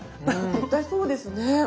絶対そうですね。